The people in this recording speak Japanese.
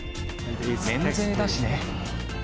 免税だしね。